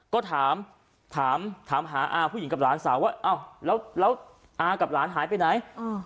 ก็ถามหาอ้าวผู้หญิงกับหลานสาวว่าอ้าวกับหลานหายไปไหน